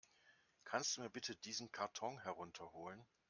Kannst du mir bitte diesen Karton herunter holen?